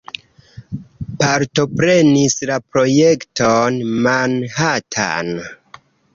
Partoprenis la projekton Manhattan.